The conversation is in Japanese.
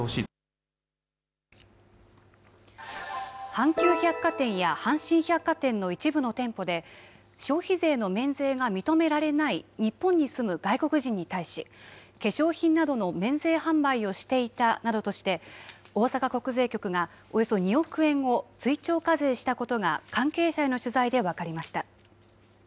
阪急百貨店や阪神百貨店の一部の店舗で消費税の免税が認められない日本に住む外国人に対し化粧品などの免税販売をしていたなどとして大阪国税局が、およそ２億円を追徴課税したことが関係者への取材で分かりました。